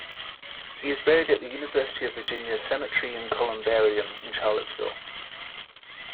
He is buried at the University of Virginia Cemetery and Columbarium in Charlottesville.